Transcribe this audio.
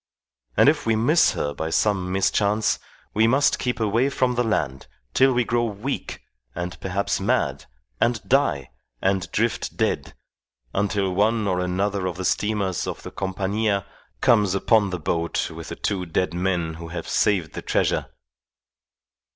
And if we miss her by some mischance, we must keep away from the land till we grow weak, and perhaps mad, and die, and drift dead, until one or another of the steamers of the Compania comes upon the boat with the two dead men who have saved the treasure.